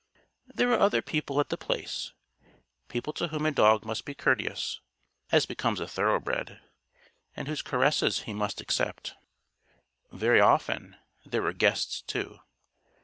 There were other people at The Place people to whom a dog must be courteous, as becomes a thoroughbred, and whose caresses he must accept. Very often, there were guests, too.